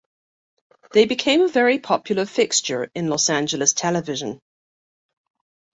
They became a very popular fixture in Los Angeles television.